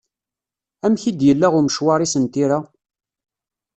Amek i d-yella umecwar-is n tira?